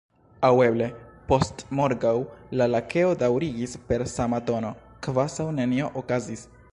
"Aŭ eble postmorgaŭ," la Lakeo daŭrigis per sama tono, kvazaŭ nenio okazis.